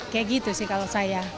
kayak gitu sih kalau saya